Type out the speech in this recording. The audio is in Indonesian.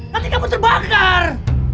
nanti kamu terbakar